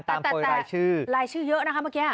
ตามโพยรายชื่อแต่แต่รายชื่อเยอะนะครับเมื่อกี้